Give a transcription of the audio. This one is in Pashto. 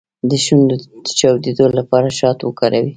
د شونډو د چاودیدو لپاره شات وکاروئ